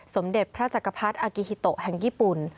สมเด็จพระจักรพรรดิอากิฮิโตแห่งญี่ปุ่น